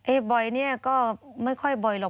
บ่อยเนี่ยก็ไม่ค่อยบ่อยหรอก